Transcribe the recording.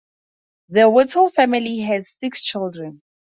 The Whittle family has six children.